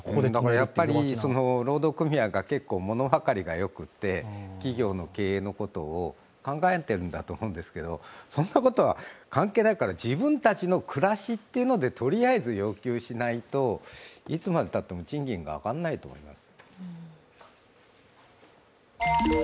やっぱり労働組合が結構物分かりがよくて企業の経営のことを考えているんだと思うんですけど、そんなことは関係ないから自分たちの暮らしっていうのでとりあえず要求しないといつまでたっても賃金が上がらないと思います。